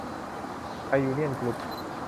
ไทยยูเนี่ยน กรุ๊ป